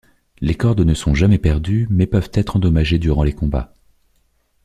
Les cornes ne sont jamais perdues, mais peuvent être endommagées durant les combats.